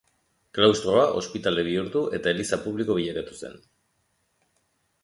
Klaustroa ospitale bihurtu eta eliza publiko bilakatu zen.